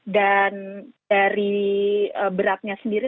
dan dari beratnya sendiri